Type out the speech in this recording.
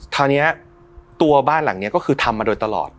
ตัวนี้ตัวบ้านหลังนี้ก็คือทำมาโดยตลอด